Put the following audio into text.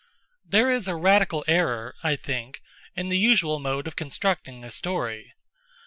There is a radical error, I think, in the usual mode of constructing a story.